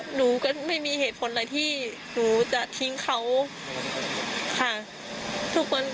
หนูก็ไม่มีเหตุผลอะไรที่หนูจะทิ้งเขาค่ะทุกคน